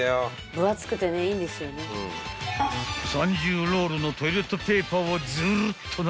［３０ロールのトイレットペーパーをずるっとな］